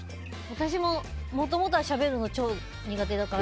私ももともとはしゃべるの超苦手だから。